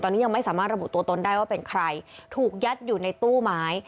ตอนนี้ยังไม่สามารถระบุตัวตนได้ว่าเป็นใครถูกยัดอยู่ในตู้ไม้